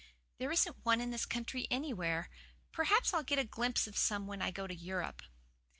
There isn't one in this country anywhere. Perhaps I'll get a glimpse of some when I go to Europe."